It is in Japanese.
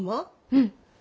うん。